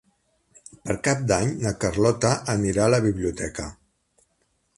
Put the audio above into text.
Per Cap d'Any na Carlota anirà a la biblioteca.